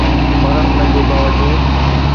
پر ان جي باوجود